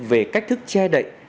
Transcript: về cách thức che đậy